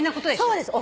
そうです。